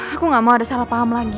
aku gak mau ada salah paham lagi